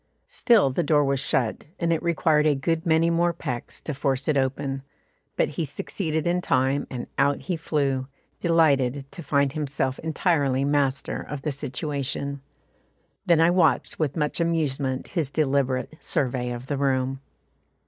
Still the door was shut, and it required a good many more pecks to force it open, but he succeeded in time, and out he flew delighted to find himself entirely master of the situation. Then I watched with much amusement his deliberate survey of the room.